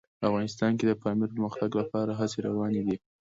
افغانستان کې د پامیر د پرمختګ لپاره هڅې روانې دي.